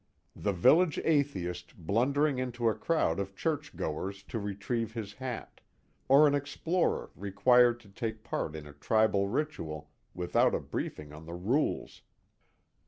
The village atheist blundering into a crowd of churchgoers to retrieve his hat; or an explorer required to take part in a tribal ritual without a briefing on the rules.